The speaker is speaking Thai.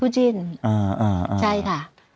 ใช่ค่ะ